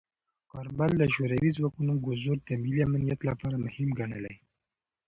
کارمل د شوروي ځواکونو حضور د ملي امنیت لپاره مهم ګڼلی.